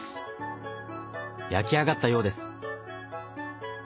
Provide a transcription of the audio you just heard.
焼き上がったようです。